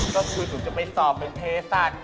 ถ้าคุณสุดจะไปสอบบนเพศัฒน์